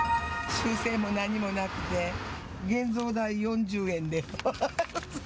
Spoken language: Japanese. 修正も何もなくて、現像代４０円です。